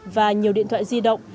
và nhiều điện thoại di động